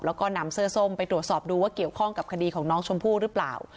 แล้วก็นำเสื้อส้มไปตรวจสอบดูว่าเกี่ยวข้องกับคดีของน้องชมพู่หรือเปล่า